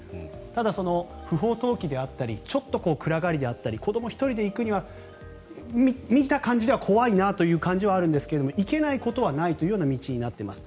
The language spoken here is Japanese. ただ、不法投棄であったりちょっと暗がりであったり子ども１人で行くには見た感じでは怖いなという感じはあるんですがいけないことはないというような道になっています。